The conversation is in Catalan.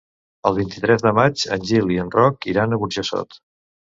El vint-i-tres de maig en Gil i en Roc iran a Burjassot.